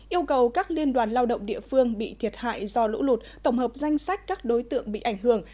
yêu cầu các liên đoàn lao động địa phương bị thiệt hại do lũ lụt tổng hợp danh sách các đối tượng bị ảnh hưởng